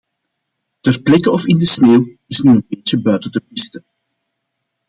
Ter plekke of in de sneeuw is nu een beetje buiten de piste.